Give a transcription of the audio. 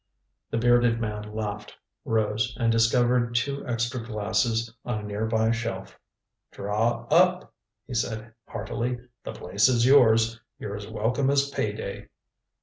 The bearded man laughed, rose and discovered two extra glasses on a near by shelf. "Draw up," he said heartily. "The place is yours. You're as welcome as pay day."